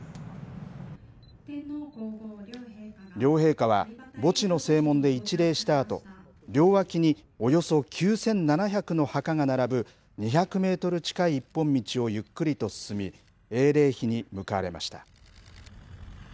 両陛下は、墓地の正門で一礼したあと、両脇におよそ９７００の墓が並ぶ２００メートル近い一本道をゆっくりと進み、黙とう。